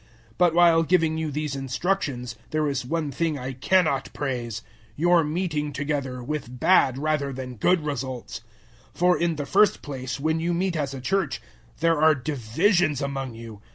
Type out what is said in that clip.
011:017 But while giving you these instructions, there is one thing I cannot praise your meeting together, with bad rather than good results. 011:018 for, in the first place, when you meet as a Church, there are divisions among you.